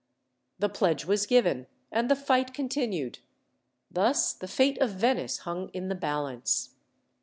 The pledge was given, and the fight continued. Thus, the fate of Venice hung in the balance.